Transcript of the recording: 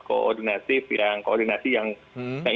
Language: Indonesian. koordinatif koordinasi yang